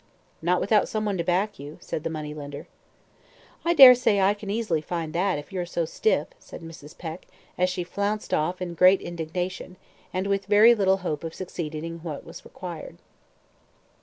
"Not without some one to back you," said the money lender. "I daresay I can easily find that, if you are so stiff," said Mrs. Peck, as she flounced off in great indignation, and with very little hope of succeeding in what was required.